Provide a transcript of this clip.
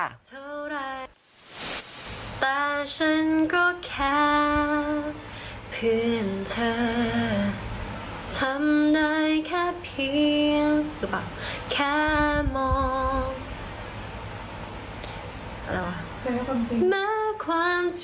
อะไรวะ